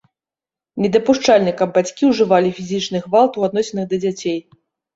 Недапушчальна, каб бацькі ўжывалі фізічны гвалт у адносінах для дзяцей.